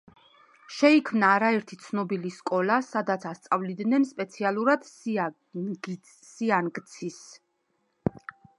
შეიქმნა არაერთი ცნობილი სკოლა, სადაც ასწავლიდნენ სპეციალურად სიანგცის.